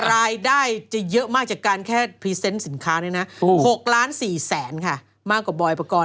รายได้จะเยอะมากจากการแค่พรีเซนต์สินค้าเนี่ยนะ๖ล้าน๔แสนค่ะมากกว่าบอยปกรณ์